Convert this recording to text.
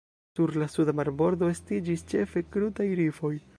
Sur la suda marbordo estiĝis ĉefe krutaj rifoj.